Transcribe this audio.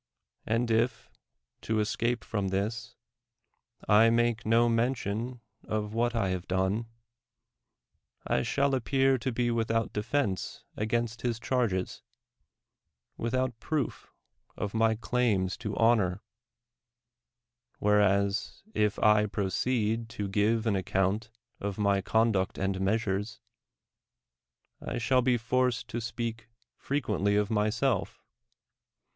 And if, to escape from this, I make no mention of what I have done, I shall appear to be without defense against his charges, without proof of my claims to honor ; whereas, if I proceed to give an account of my conduct and measures, I shall be forced to speak frequently of myself.